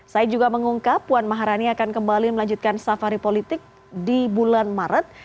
said juga mengungkap puan maharani akan kembali melanjutkan safari politik di bulan maret